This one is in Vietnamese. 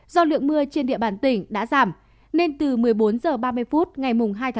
do lượng mưa trên địa bàn tỉnh đã giảm nên từ một mươi bốn h ba mươi phút ngày hai tháng chín